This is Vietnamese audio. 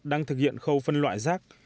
đang thực hiện khâu phân loại rác